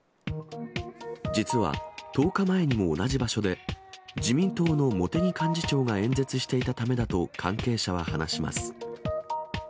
実は１０日前にも同じ場所で、自民党の茂木幹事長が演説していたためだと関係者は話します。